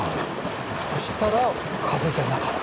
そしたらかぜじゃなかった？